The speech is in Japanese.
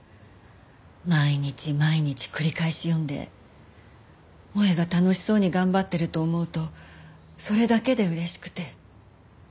毎日毎日繰り返し読んで萌絵が楽しそうに頑張ってると思うとそれだけで嬉しくて。